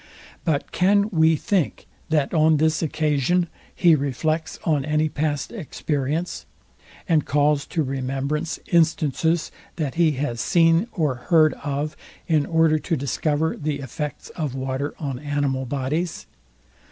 But can we think, that on this occasion he reflects on any past experience, and calls to remembrance instances, that he has seen or heard of, in order to discover the effects of water on animal bodies?